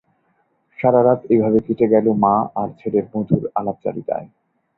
সারারাত এভাবে কেটে গেল মা আর ছেলের মধুর আলাপচারিতায়।